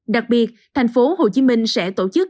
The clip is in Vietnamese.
đặc biệt tp hcm sẽ tổ chức